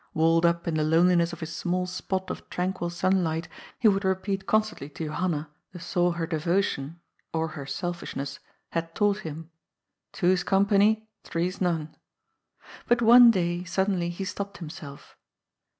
Walled up in the loneliness of his small spot of tranquil sunlight, he would repeat con stantly to Johanna the saw her deyotion — or her selfish ness — had taught him :" Two's company, three's none." But one day, suddenly, he stopped himself.